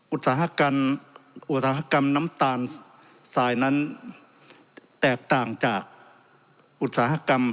อุตสาหกรรมน้ำตาลสายนั้นแตกต่างจากอุตสาหกรรม